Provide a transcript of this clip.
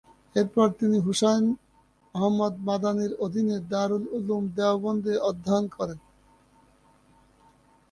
এরপর তিনি হুসাইন আহমদ মাদানির অধীনে দারুল উলুম দেওবন্দে অধ্যয়ন করেন।